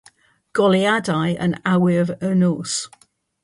Goleuadau yn awyr y nos.